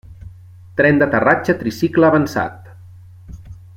Tren d'aterratge tricicle avançat.